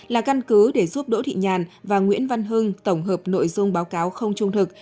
là căn cứ để giúp đỗ thị nhàn và nguyễn văn hưng tổng hợp nội dung báo cáo không trung thực